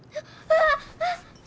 ああ。